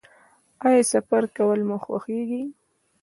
ایا سفر کول مو خوښیږي؟